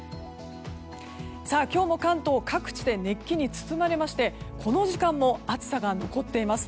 今日も関東各地で熱気に包まれましてこの時間も暑さが残っています。